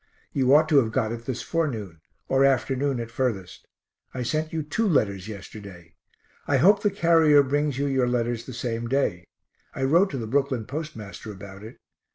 You ought to have got it this forenoon, or afternoon at furthest. I sent you two letters yesterday. I hope the carrier brings you your letters the same day. I wrote to the Brooklyn postmaster about it.